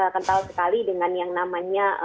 kental sekali dengan yang namanya